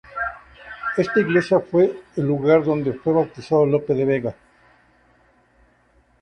Esta iglesia fue el lugar donde fue bautizado Lope de Vega.